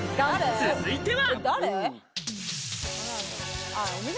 続いては！